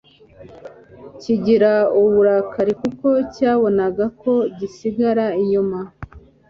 kigira uburakari kuko cyabonaga ko gisigara inyuma.